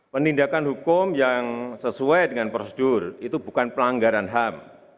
penindakan hukum yang sesuai dengan prosedur itu bukan pelanggaran ham